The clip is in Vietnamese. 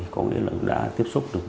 có nghĩa là đã tiếp xúc được